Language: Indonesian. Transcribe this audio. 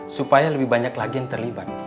supaya lebih banyak lagi yang terlibat